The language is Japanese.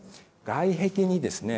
外壁にですね